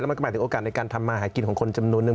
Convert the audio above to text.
มันก็หมายถึงโอกาสในการทำมาหากินของคนจำนวนนึง